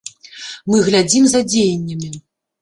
Мы глядзім за дзеяннямі.